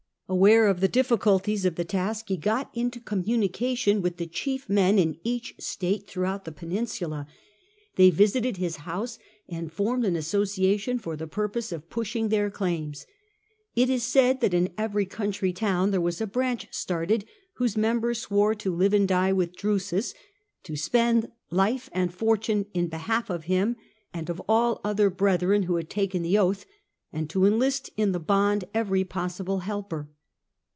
Aware of the difficulties of the task, he got into communication with the chief men in each state throughout the peninsula. They visited his house, and formed an association for the purpose of pushing their claims. It is said that in every country town there was a branch started, whose members swore to live and die with Drusus, to spend life and fortune in behalf of him and of all other brethren who had taken the oath, and to enlist in the bond every possible helper.